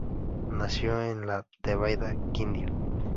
Nació en la Tebaida Quindío.